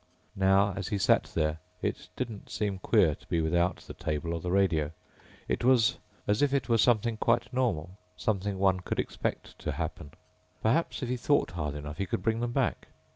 Now as he sat there it didn't seem queer to be without the table or the radio. It was as if it were something quite normal. Something one could expect to happen. Perhaps, if he thought hard enough, he could bring them back.